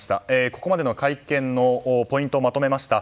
ここまでの会見のポイントをまとめました。